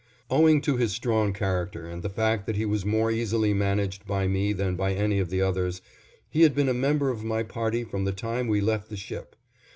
Owing to his strong character and the fact that he was more easily managed by me than by any of the others, he had been a member of my party from the time we left the ship.